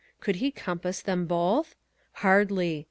Could he compass them both? Hardly.